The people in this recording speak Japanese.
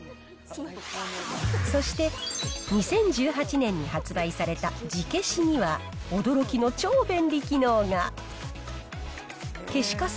そして、２０１８年に発売された磁ケシには、驚きの超便利機能が。